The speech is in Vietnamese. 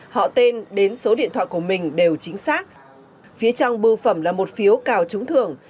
họ tên đến số điện thoại của mình đều chính xác phía trong bưu phẩm là một phiếu cào trúng thưởng